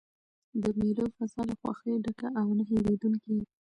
د مېلو فضا له خوښۍ ډکه او نه هېردونکې يي.